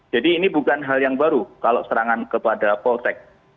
jadi ini bukan hal yang baru kalau serangan kepada posek